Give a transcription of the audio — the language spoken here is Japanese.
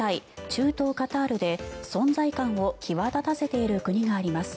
中東カタールで存在感を際立たせている国があります。